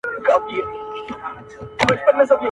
ما خوبونه وه لیدلي د بېړۍ د ډوبېدلو!!